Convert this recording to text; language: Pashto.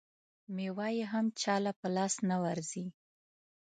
مېوه یې هم چا له په لاس نه ورځي.